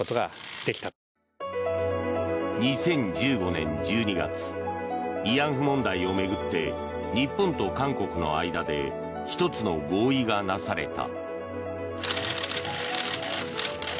２０１５年１２月慰安婦問題を巡って日本と韓国の間で１つの合意がなされた。